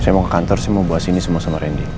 saya mau ke kantor saya mau bawa sini semua sama randy